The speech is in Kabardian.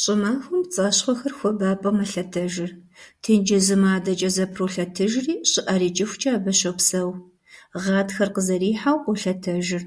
Щӏымахуэм пцӏащхъуэхэр хуабапӏэм мэлъэтэжыр, тенджызым адэкӏэ зэпролъэтыжри щӏыӏэр икӏыхукӏэ абы щопсэу, гъатхэр къызэрихьэу, къолъэтэжыр.